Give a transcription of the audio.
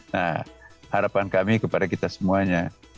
nah harapan kami kepada kita semuanya